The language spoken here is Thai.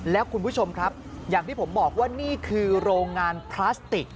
แล้วคุณผู้ชมครับอย่างที่ผมบอกว่านี่คือโรงงานพลาสติก